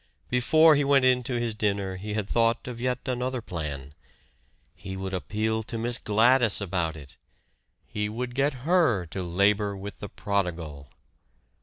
Before he went in to his dinner he had thought of yet another plan. He would appeal to Miss Gladys about it! He would get her to labor with the prodigal!